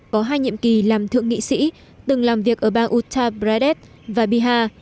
có hai nhiệm kỳ làm thượng nghị sĩ từng làm việc ở bang uttar pradesh và bihar